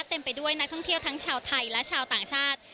เต็มไปด้วยนักท่องเที่ยวทั้งชาวไทยและชาวต่างชาติ